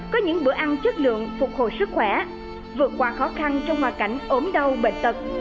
có những bữa ăn chất lượng phục hồi sức khỏe vượt qua khó khăn trong hoàn cảnh ốm đau bệnh tật